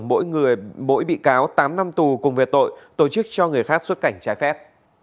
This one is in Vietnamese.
lưu văn trường mỗi bị cáo tám năm tù cùng về tội tổ chức cho người khác xuất cảnh trái phép